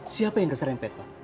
siapa yang keserempet pak